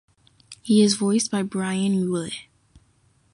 He is voiced by Brian Muehl.